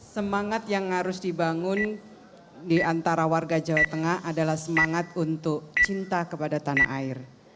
semangat yang harus dibangun di antara warga jawa tengah adalah semangat untuk cinta kepada tanah air